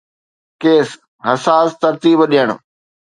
ڪيس-حساس ترتيب ڏيڻ